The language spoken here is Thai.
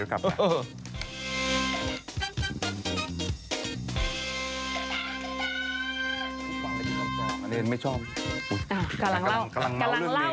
กำลังเล่าข่าวให้ฟังพอดี